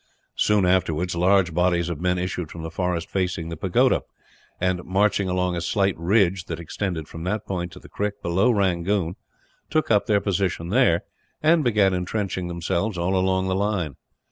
Soon afterwards large bodies of men issued from the forest facing the pagoda and, marching along a slight ridge, that extended from that point to the creek below Rangoon, took up their position there, and began entrenching themselves all along the line.